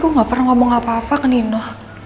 aku gak pernah ngomong apa apa ke nino